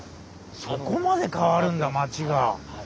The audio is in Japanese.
そこまで変わるんだ町が。